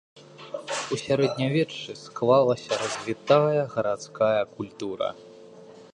У сярэднявеччы склалася развітая гарадская культура.